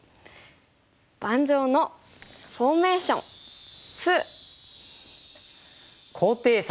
「盤上のフォーメーション２」。